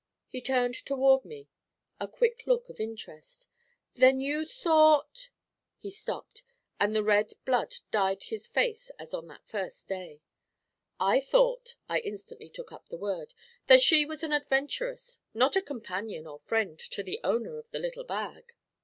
He turned toward me a quick look of interest. 'Then you thought ' He stopped, and the red blood dyed his face as on that first day. 'I thought,' I instantly took up the word, 'that she was an adventuress, not a companion or friend to the owner of the little bag.'